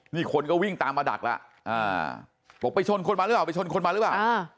นี่คนก็วิ่งตามมาดักแล้วอ่าบอกไปชนคนมาหรือเปล่าไปชนคนมาหรือเปล่า